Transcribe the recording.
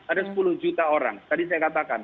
ada sepuluh juta orang tadi saya katakan